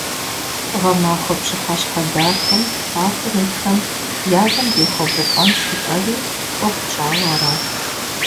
Гъэмахуэ пщыхьэщхьэ дахэм паркым итхэм я гум дехуэбылӀэнщ жытӀэри, Ӏуэху тщӀауэ арат.